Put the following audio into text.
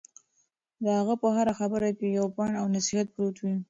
د هغه په هره خبره کې یو پند او نصیحت پروت دی.